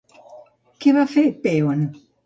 Què va fer Pèon?